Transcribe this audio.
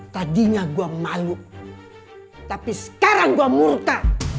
tadinya gue malu tapi sekarang gue murka